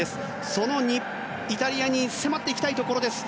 そのイタリアに迫っていきたいところです。